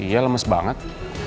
iya lemes banget